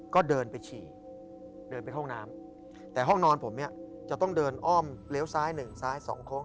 ก็เดินไปฉี่เดินไปห้องน้ำแต่ห้องนอนผมเนี่ยจะต้องเดินอ้อมเลี้ยวซ้ายหนึ่งซ้ายสองโค้ง